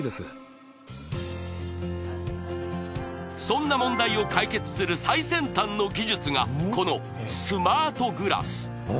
そんな問題を解決する最先端の技術がこのスマートグラス